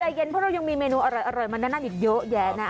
เย็นเพราะเรายังมีเมนูอร่อยมาแน่นอีกเยอะแยะนะ